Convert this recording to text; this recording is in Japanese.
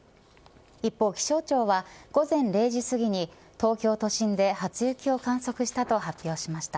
一方気象庁は午前０時過ぎに東京都心で初雪を観測したと発表しました。